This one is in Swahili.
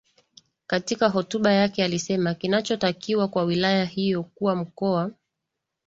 Katika hotuba yake alisema kinachotakiwa kwa wilaya hiyo kuwa mkoa